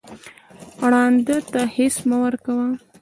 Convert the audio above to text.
ړانده ته رخس مه کوه